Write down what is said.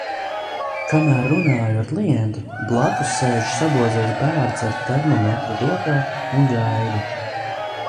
Kamēr runāju ar klientu, blakus sēž sabozies bērns ar termometru rokā un gaida.